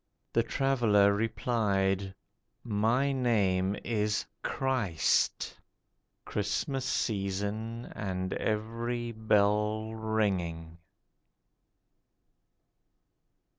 The Traveller replied, 'My name is CHRIST.' (Christmas season, and every bell ringing.)